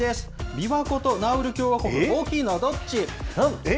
琵琶湖とナウル共和国、大きいのはどっち？